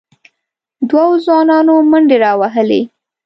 دوو ځوانانو منډې راوهلې،